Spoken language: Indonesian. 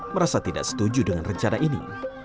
merasa tidak setuju dengan rencana ini